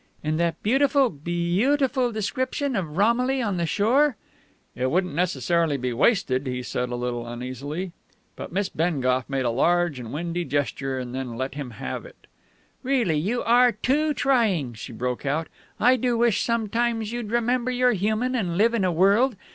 "And that beautiful, _beau_tiful description of Romilly on the shore?" "It wouldn't necessarily be wasted," he said a little uneasily. But Miss Bengough made a large and windy gesture, and then let him have it. "Really, you are too trying!" she broke out. "I do wish sometimes you'd remember you're human, and live in a world!